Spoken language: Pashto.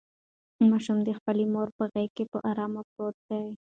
ماشوم د خپلې مور په غېږ کې په ارامه پروت دی.